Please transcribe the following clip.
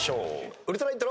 ウルトライントロ。